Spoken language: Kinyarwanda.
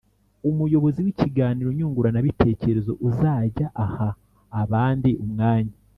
umuyobozi w’ikiganiro nyunguranabitekerezo uzajya aha abandi umwanya